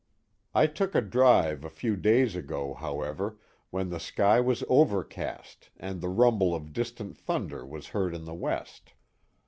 I took a drive a few days ago, however, when the sky was overcast and the rumble of distant thunder was heard in the west.